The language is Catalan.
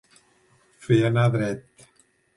Fer anar dret.